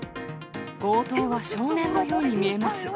強盗は少年のように見えます。